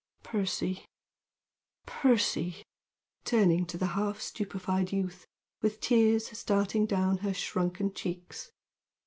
"Percy! Percy!" turning to the half stupefied youth, with tears starting down her shrunken cheeks.